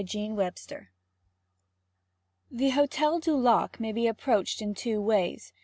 CHAPTER VIII The Hotel du Lac may be approached in two ways.